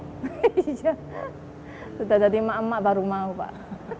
sudah jadi emak emak baru mau pak